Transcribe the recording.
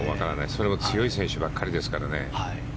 それも強い選手ばかりですから。